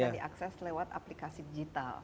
bisa diakses lewat aplikasi digital